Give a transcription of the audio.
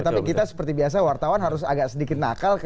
tapi kita seperti biasa wartawan harus agak sedikit nakal